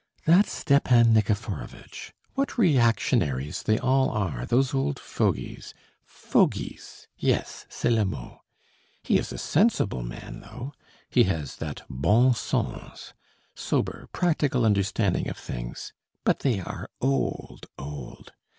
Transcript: That Stepan Nikiforovitch! What reactionaries they all are, those old fogies! Fogies, yes, c'est le mot. He is a sensible man, though; he has that bon sens, sober, practical understanding of things. But they are old, old.